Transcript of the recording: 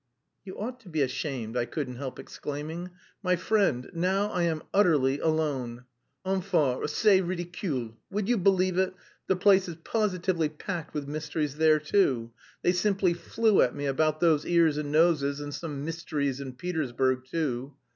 "You ought to be ashamed!" I couldn't help exclaiming. "My friend, now I am utterly alone. Enfin, c'est ridicule. Would you believe it, the place is positively packed with mysteries there too. They simply flew at me about those ears and noses, and some mysteries in Petersburg too.